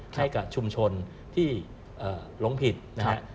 ให้กับชุมชนที่หลงผิดนะครับ